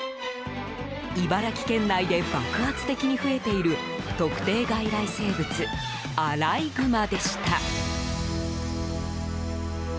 茨城県内で爆発的に増えている特定外来生物アライグマでした。